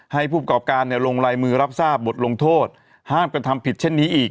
ให้ผู้ประกอบการลงลายมือรับทราบบทลงโทษห้ามกระทำผิดเช่นนี้อีก